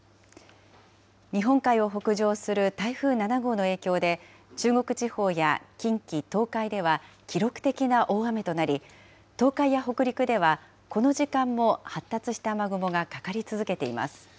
日本海を北上する台風７号の影響で、中国地方や近畿、東海では記録的な大雨となり、東海や北陸ではこの時間も発達した雨雲がかかり続けています。